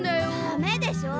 ダメでしょ。